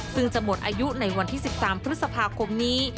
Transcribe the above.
ซึ่งจะหมดอายุในวันที่๑๓พฤษภาคมนี้